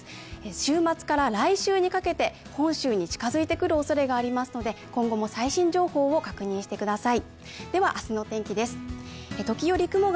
週末から来週にかけて本州に近づいてくるおそれがありますので、今後も最新情報を確認してください。